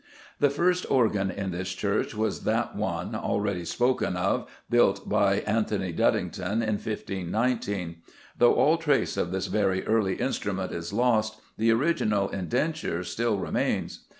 The first organ in this church was that one, already spoken of, built by Anthony Duddyngton in 1519. Though all trace of this very early instrument is lost, the original indenture still remains.